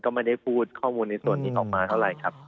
ก็ไม่ได้พูดข้อมูลในส่วนที่ออกมาเท่าไหร่ครับ